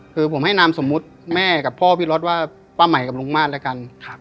คือผมให้นามสมมุติแม่กับพ่อพี่รถว่าป้าใหม่กับลุงมาตรแล้วกัน